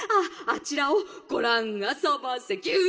あちらをごらんあそばせキュ！」。